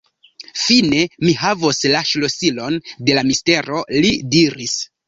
Fine mi havos la ŝlosilon de la mistero, li diris.